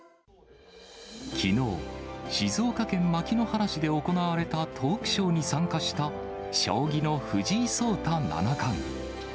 きのう、静岡県牧之原市で行われたトークショーに参加した、将棋の藤井聡太七冠。